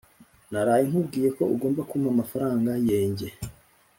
Naraye nkubwiye ko ugomba kuma amafaranga yenjye.